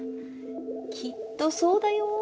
きっとそうだよー。